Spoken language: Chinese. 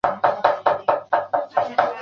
时年二十三岁。